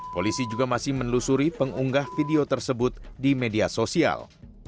polisi juga masih menelusuri pengunggah video tersebut di media sosial